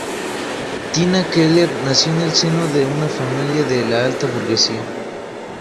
Tina Keller nació en el seno de una familia de la alta burguesía.